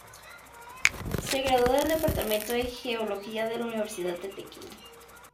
Se graduó del departamento de geología de la Universidad de Pekín.